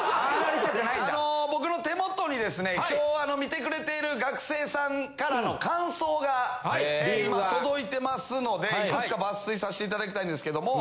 あの僕の手元にですね今日見てくれている学生さんからの感想が今届いてますのでいくつか抜粋させて頂きたいんですけども。